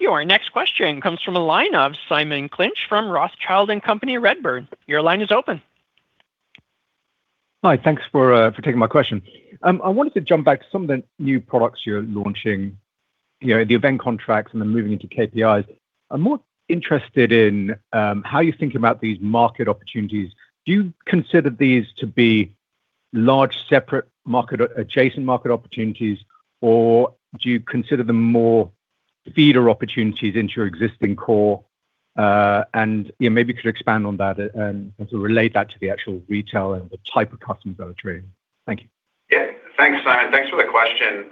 Your next question comes from a line of Simon Clinch from Rothschild & Co Redburn. Your line is open. Hi. Thanks for taking my question. I wanted to jump back to some of the new products you're launching, the event contracts and then moving into KPIs. I'm more interested in how you're thinking about these market opportunities. Do you consider these to be large, separate adjacent market opportunities, or do you consider them more feeder opportunities into your existing core? Maybe you could expand on that and relate that to the actual retail and the type of customers that are trading. Thank you. Yeah. Thanks, Simon. Thanks for the question.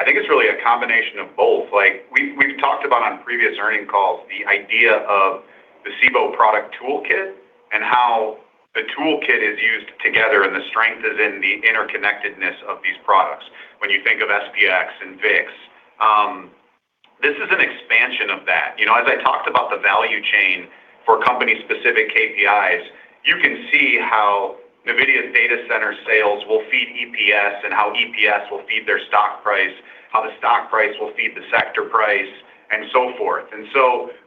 I think it's really a combination of both. We've talked about on previous earning calls the idea of the Cboe product toolkit and how the toolkit is used together and the strength is in the interconnectedness of these products. When you think of SPX and VIX, this is an expansion of that. As I talked about the value chain for company-specific KPIs, you can see how NVIDIA's data center sales will feed EPS and how EPS will feed their stock price, how the stock price will feed the sector price, and so forth.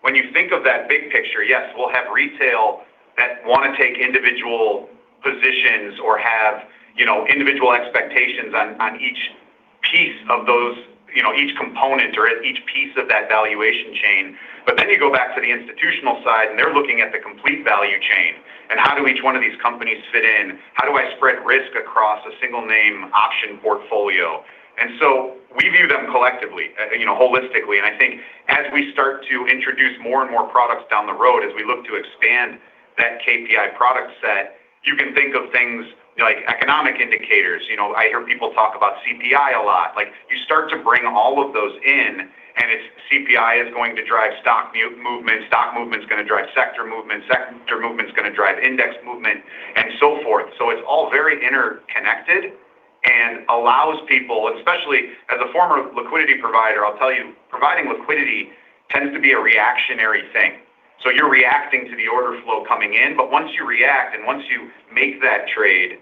When you think of that big picture, yes, we'll have retail that want to take individual positions or have individual expectations on each piece of those, each component or each piece of that valuation chain. You go back to the institutional side, they're looking at the complete value chain and how do each one of these companies fit in? How do I spread risk across a single name option portfolio? We view them collectively, holistically, and I think as we start to introduce more and more products down the road, as we look to expand that KPI product set, you can think of things like economic indicators. I hear people talk about CPI a lot. It starts to bring all of those in. CPI is going to drive stock movement, stock movement's going to drive sector movement, sector movement's going to drive index movement, and so forth. It's all very interconnected. Allows people, especially as a former liquidity provider, I'll tell you, providing liquidity tends to be a reactionary thing. You're reacting to the order flow coming in, once you react and once you make that trade,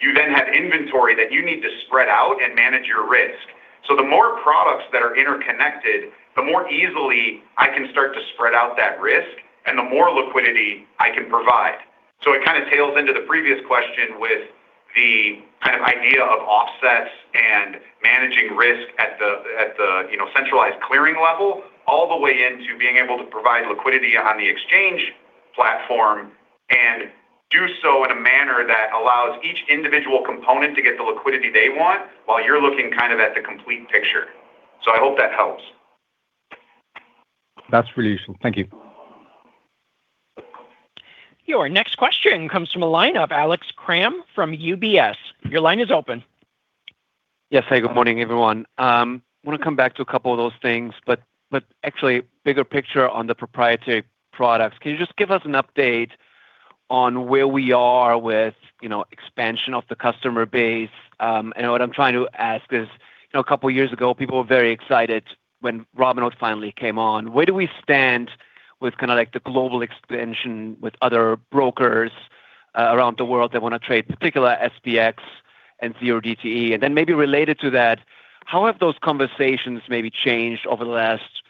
you then have inventory that you need to spread out and manage your risk. The more products that are interconnected, the more easily I can start to spread out that risk, and the more liquidity I can provide. It kind of tails into the previous question with the kind of idea of offsets and managing risk at the centralized clearing level, all the way into being able to provide liquidity on the exchange platform, and do so in a manner that allows each individual component to get the liquidity they want while you're looking kind of at the complete picture. I hope that helps. That's really useful. Thank you. Your next question comes from a line of Alex Kramm from UBS. Your line is open. Yes. Hey, good morning, everyone. I want to come back to a couple of those things. Actually, bigger picture on the proprietary products. Can you just give us an update on where we are with expansion of the customer base? What I'm trying to ask is, a couple of years ago, people were very excited when Robinhood finally came on. Where do we stand with kind of like the global expansion with other brokers around the world that want to trade particular SPX and 0DTE? Maybe related to that, how have those conversations maybe changed over the last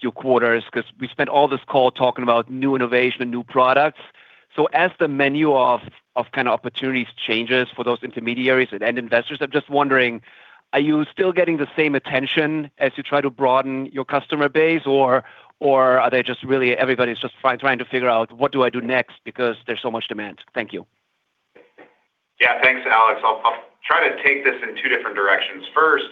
few quarters? We spent all this call talking about new innovation and new products. As the menu of kind of opportunities changes for those intermediaries and end investors, I'm just wondering, are you still getting the same attention as you try to broaden your customer base, or are they just really, everybody's just trying to figure out, "What do I do next?" There's so much demand. Thank you. Thanks, Alex. I'll try to take this in two different directions. First,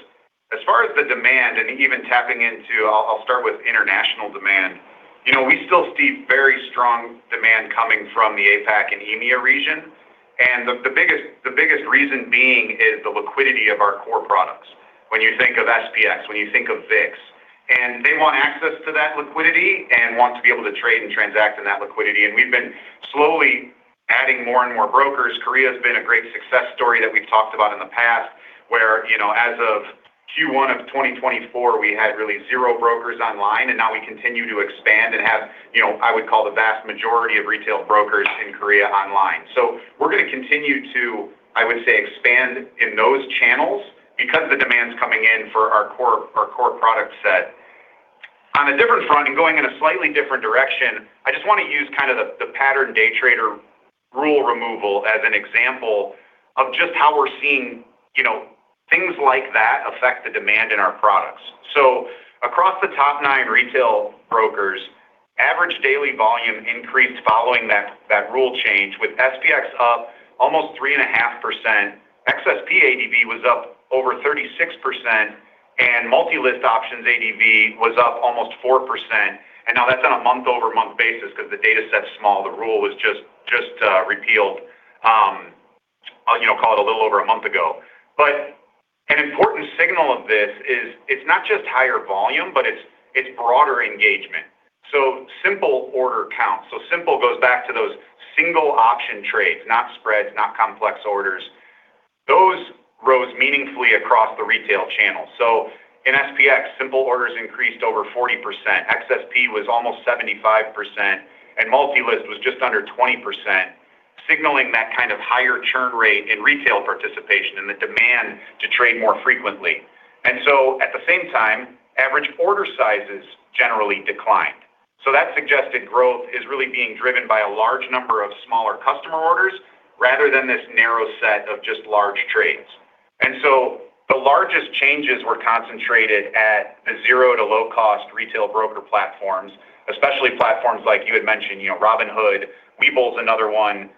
as far as the demand and even tapping into, I'll start with international demand. We still see very strong demand coming from the APAC and EMEA region. The biggest reason being is the liquidity of our core products. When you think of SPX, when you think of VIX, they want access to that liquidity and want to be able to trade and transact in that liquidity. We've been slowly adding more and more brokers. Korea's been a great success story that we've talked about in the past where, as of Q1 of 2024, we had really zero brokers online. Now we continue to expand and have, I would call the vast majority of retail brokers in Korea online. We're going to continue to, I would say, expand in those channels. The demand's coming in for our core product set. On a different front, going in a slightly different direction, I just want to use kind of the pattern day trader rule removal as an example of just how we're seeing things like that affect the demand in our products. Across the top nine retail brokers, average daily volume increased following that rule change, with SPX up almost 3.5%. XSP ADV was up over 36%. Multi-list options ADV was up almost 4%. That's on a month-over-month basis. The data set's small. The rule was just repealed, I'll call it a little over a month ago. An important signal of this is it's not just higher volume, but it's broader engagement. Simple order counts. Simple goes back to those single option trades, not spreads, not complex orders. Those rose meaningfully across the retail channel. In SPX, simple orders increased over 40%. XSP was almost 75%, and multi-list was just under 20%, signaling that kind of higher churn rate in retail participation and the demand to trade more frequently. At the same time, average order sizes generally declined. That suggested growth is really being driven by a large number of smaller customer orders rather than this narrow set of just large trades. The largest changes were concentrated at the zero to low-cost retail broker platforms, especially platforms like you had mentioned, Robinhood, Webull's another one.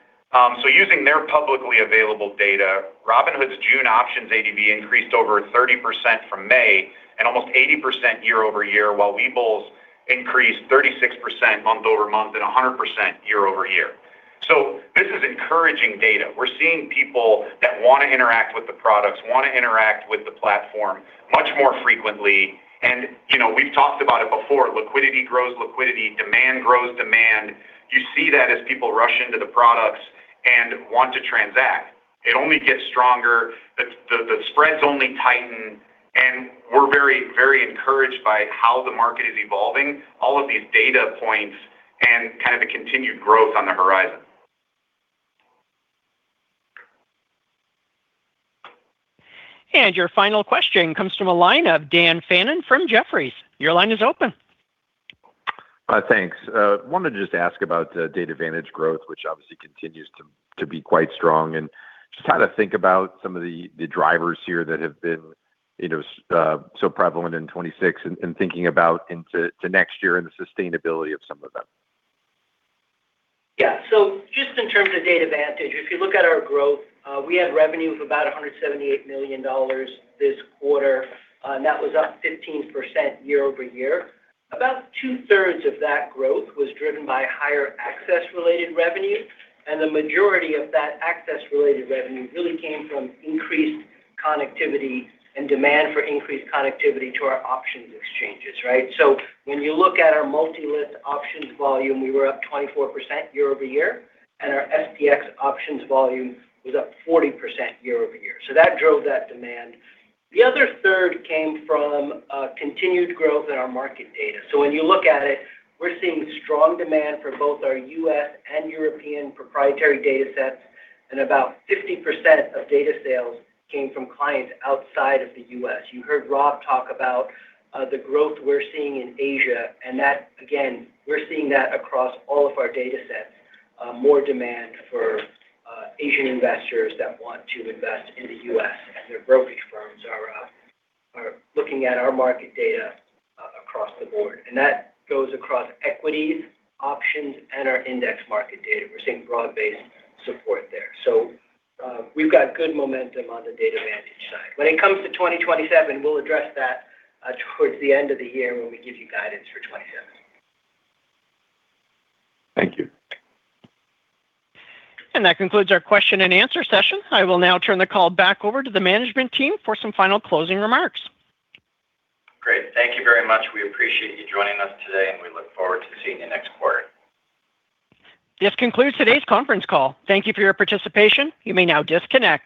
Using their publicly available data, Robinhood's June options ADV increased over 30% from May and almost 80% year-over-year, while Webull's increased 36% month-over-month and 100% year-over-year. This is encouraging data. We're seeing people that want to interact with the products, want to interact with the platform much more frequently. We've talked about it before. Liquidity grows liquidity. Demand grows demand. You see that as people rush into the products and want to transact. It only gets stronger. The spreads only tighten, we're very encouraged by how the market is evolving, all of these data points and kind of the continued growth on the horizon. Your final question comes from a line of Dan Fannon from Jefferies. Your line is open. Thanks. Wanted to just ask about Data Vantage growth, which obviously continues to be quite strong, and just how to think about some of the drivers here that have been so prevalent in 2026 and thinking about into next year and the sustainability of some of them. Just in terms of Data Vantage, if you look at our growth, we had revenue of about $178 million this quarter. That was up 15% year-over-year. About two-thirds of that growth was driven by higher access-related revenue, and the majority of that access-related revenue really came from increased connectivity and demand for increased connectivity to our options exchanges, right? When you look at our multi-list options volume, we were up 24% year-over-year, and our SPX options volume was up 40% year-over-year. That drove that demand. The other third came from continued growth in our market data. When you look at it, we're seeing strong demand for both our U.S. and European proprietary data sets, and about 50% of data sales came from clients outside of the U.S. You heard Rob talk about the growth we're seeing in Asia, and that, again, we're seeing that across all of our data sets. More demand for Asian investors that want to invest in the U.S., and their brokerage firms are looking at our market data across the board. That goes across equities, options, and our index market data. We're seeing broad-based support there. We've got good momentum on the Data Vantage side. When it comes to 2027, we'll address that towards the end of the year when we give you guidance for 2027. Thank you. That concludes our question and answer session. I will now turn the call back over to the management team for some final closing remarks. Great. Thank you very much. We appreciate you joining us today, and we look forward to seeing you next quarter. This concludes today's conference call. Thank you for your participation. You may now disconnect.